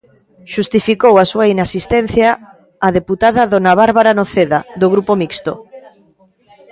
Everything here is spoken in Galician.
Xustificou a súa inasistencia a deputada dona Bárbara Noceda, do Grupo Mixto.